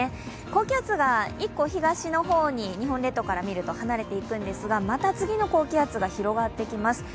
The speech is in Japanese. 高気圧が１個東の方に日本列島から見ると離れていくんですがまた次の高気圧が広がっていきます。